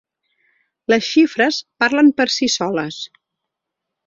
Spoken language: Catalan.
Les xifres parlen per si soles.